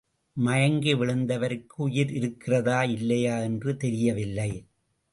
மயங்கி விழுந்தவருக்கு உயிர் இருக்கிறதா இல்லையா என்று தெரியவில்லை.